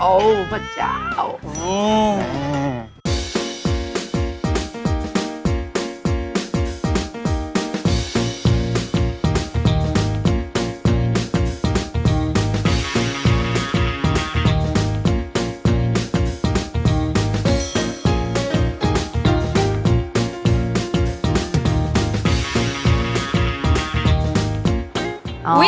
โอ้พระเจ้าอื้อ